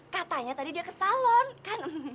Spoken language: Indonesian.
katanya tadi dia ke salon kan